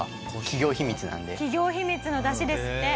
企業秘密の出汁ですって。